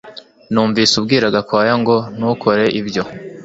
Numvise ubwira Gakwaya ngo ntukore ibyo